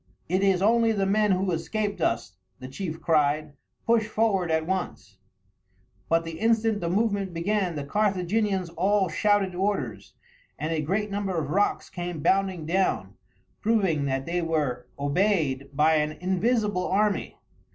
"It is only the men who escaped us," the chief cried; "push forward at once." But the instant the movement began the Carthaginians all shouted orders, and a great number of rocks came bounding down, proving that they were obeyed by an invisible army.